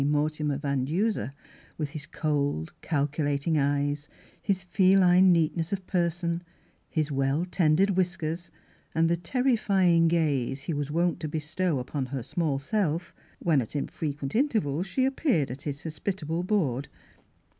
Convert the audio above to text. Mortimer Van Duser, with his cold, cal culating eyes, his feline neatness of per son, his well tended whiskers and the ter rifying gaze he was wont to bestow upon her small self, when at infrequent inter vals she appeared at his hospitable board.